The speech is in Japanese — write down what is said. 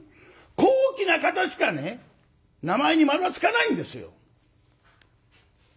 高貴な方しかね名前に「丸」は付かないんですよ。